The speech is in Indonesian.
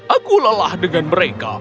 aku lelah dengan mereka